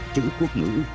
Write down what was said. chữ quốc ngữ